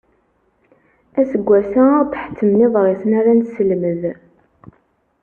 Aseggas-a ad aɣ-d-ḥettmen iḍrisen ara nesselmed.